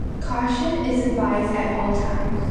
Caution is advised at all times.